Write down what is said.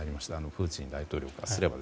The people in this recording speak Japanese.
プーチン大統領からすれば。